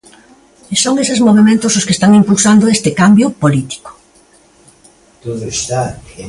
E son eses movementos os que están impulsando este cambio político.